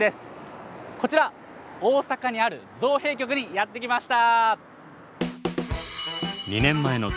こちら大阪にある造幣局にやって来ました。